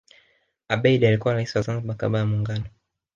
abeid alikuwa rais wa zanzibar kabla ya muungano